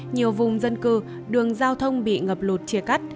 nhiều vùng dân cư đường giao thông bị ngập lụt chia cắt